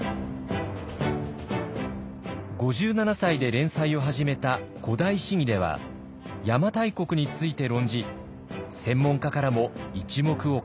５７歳で連載を始めた「古代史疑」では邪馬台国について論じ専門家からも一目置かれました。